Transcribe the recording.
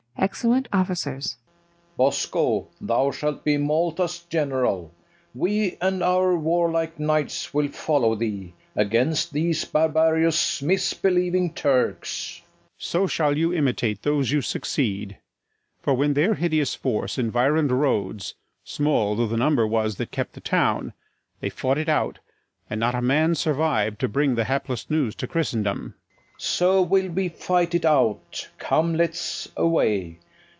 [Exeunt OFFICERS.] Bosco, thou shalt be Malta's general; We and our warlike knights will follow thee Against these barbarous misbelieving Turks. MARTIN DEL BOSCO. So shall you imitate those you succeed; For, when their hideous force environ'd Rhodes, Small though the number was that kept the town, They fought it out, and not a man surviv'd To bring the hapless news to Christendom. FERNEZE. So will we fight it out: come, let's away.